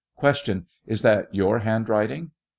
Is that your handwriting